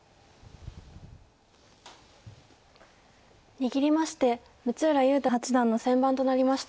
握りまして六浦雄太八段の先番となりました。